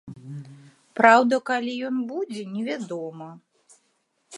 Праўда, калі ён будзе, невядома.